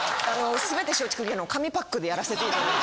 すべて松竹芸能紙パックでやらせて頂いて。